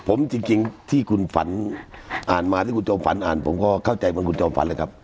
ผมจริงที่คุณฝันอ่านมาที่คุณจอมฝันอ่านผมก็เข้าใจเหมือนคุณจอมฝันเลยครับ